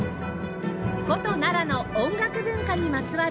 古都奈良の音楽文化にまつわる楽器